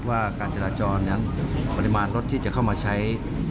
ว่าการจราจรนั้นปริมาณรถที่จะเข้ามาใช้